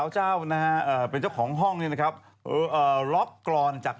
แช่งจริงแต่ช่วยร